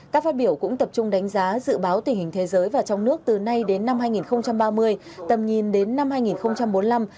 các phát biểu cũng tập trung đánh giá dự báo tình hình thế giới và trong nước từ nay đến năm hai nghìn ba mươi tầm nhìn đến năm hai nghìn bốn mươi năm